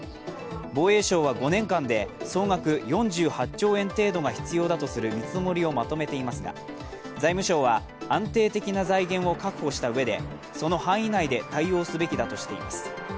防衛省は５年間で総額４８兆円程度が必要だとする見積もりをまとめていますが財務省は安定的な財源を確保したうえでその範囲内で対応すべきだとしています。